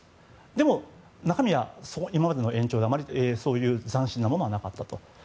でも中身は今までの延長で斬新なものはなかったと。